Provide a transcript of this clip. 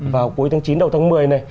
vào cuối tháng chín đầu tháng một mươi